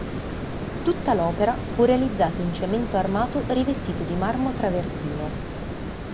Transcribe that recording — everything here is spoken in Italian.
Tutta l'opera fu realizzata in cemento armato rivestito di marmo travertino.